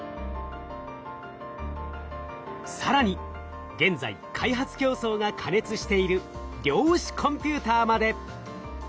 更に現在開発競争が過熱している量子コンピューターまで。